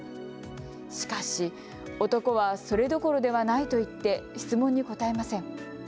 しかし男はそれどころではないと言って質問に答えません。